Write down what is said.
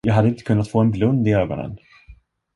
Jag hade inte kunnat få en blund i ögonen.